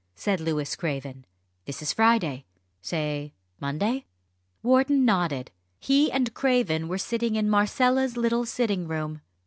said Louis Craven. "This is Friday say Monday?" Wharton nodded. He and Craven were sitting in Marcella's little sitting room.